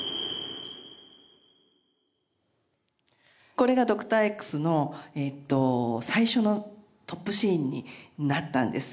これが『Ｄｏｃｔｏｒ−Ｘ』の最初のトップシーンになったんです。